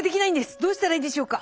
どうしたらいいでしょうか？」。